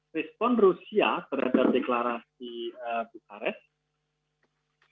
respon rusia terhadap deklarasi bukarest